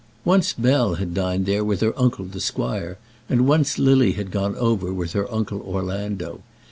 Once Bell had dined there with her uncle, the squire, and once Lily had gone over with her uncle Orlando.